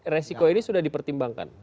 resiko ini sudah dipertimbangkan